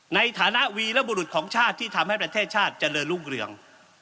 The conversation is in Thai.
ในฐานะวีรบุรุษของชาติที่ทำให้ประเทศชาติเจริญรุ่งเรือง